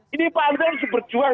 ini pak andre harus berjuang